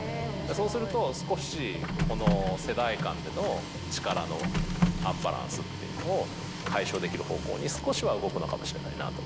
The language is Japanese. そうすると少しこの世代間での力のアンバランスっていうのを解消できる方向に少しは動くのかもしれないなと思います。